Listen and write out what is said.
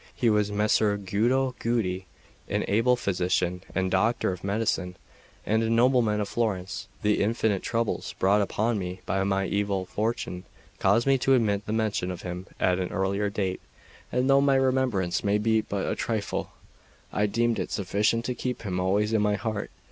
He was Messer Guido Guidi, an able physician and doctor of medicine, and a nobleman of Florence. The infinite troubles brought upon me by my evil fortune caused me to omit the mention of him at an earlier date; and though my remembrance may be but a trifle, I deemed it sufficient to keep him always in my heart.